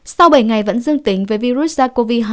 sau bảy ngày vẫn dương tính với virus sars cov hai